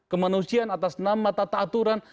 kemanusiaan atas nama tata aturan